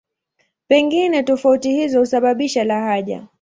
Pengine tofauti hizo husababisha lahaja.